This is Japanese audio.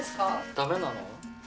ダメなの？